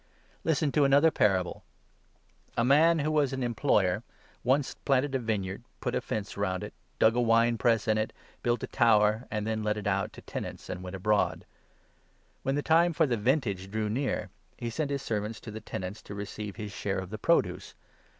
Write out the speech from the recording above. Parable Listen to another parable. A man, who 33 of the wicked was an employer, once planted a vineyard, put a Tenant*, fence round it, dug a winepress in it, built a tower, and then let it out to tenants and went abroad. When 34 the time for the vintage drew near, he sent his servants to the tenants, to receive his share of the produce.